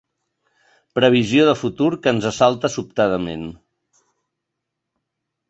Previsió de futur que ens assalta sobtadament.